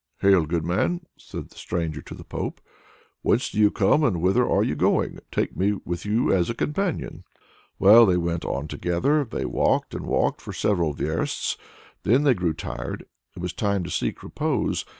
"Hail, good man!" said the stranger to the Pope. "Whence do you come and whither are you going? Take me with you as a companion." Well, they went on together. They walked and walked for several versts, then they grew tired. It was time to seek repose.